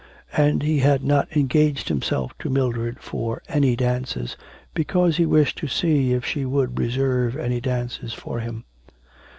And he had not engaged himself to Mildred for any dances, because he wished to see if she would reserve any dances for him.